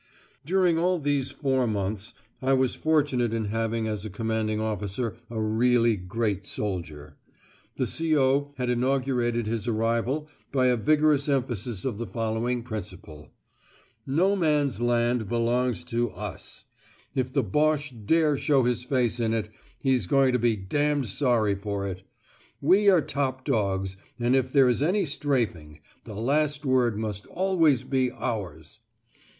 During all these four months I was fortunate in having as a commanding officer a really great soldier. The C.O. had inaugurated his arrival by a vigorous emphasis of the following principle: "No Man's Land belongs to US; if the Boche dare show his face in it, he's going to be d d sorry for it. We are top dogs, and if there is any strafing, the last word must always be ours."